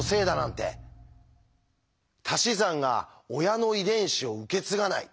たし算が親の遺伝子を受け継がない。